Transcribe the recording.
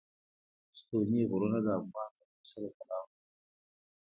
ستوني غرونه د افغان کلتور سره تړاو لري.